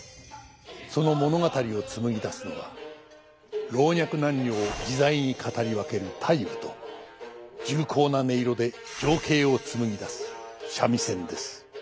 その物語を紡ぎ出すのは老若男女を自在に語り分ける太夫と重厚な音色で情景を紡ぎ出す三味線です。